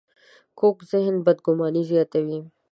کوږ ذهن بدګماني زیاتوي